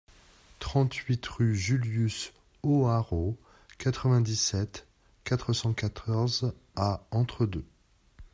trente-huit rue Julius Hoarau, quatre-vingt-dix-sept, quatre cent quatorze à Entre-Deux